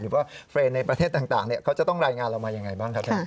หรือว่าเฟรนด์ในประเทศต่างเขาจะต้องรายงานเรามายังไงบ้างครับท่าน